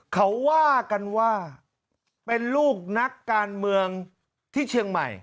เขาว่ากันว่าเป็นลูกนักการเมืองที่เชียงใหม่